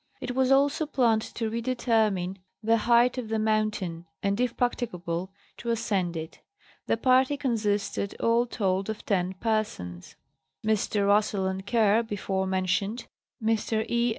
It was also planned to redetermine the height of the mountain, and, if practicable, to ascend it. The party consisted all told of ten persons; Messrs. Russell and Kerr before mentioned, Mr. E.